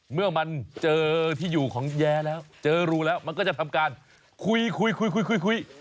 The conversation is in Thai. เมื่อมันเจอที่อยู่ของแย้แล้วเจอรูแล้วมันก็จะทำการคุยคุยคุยคุย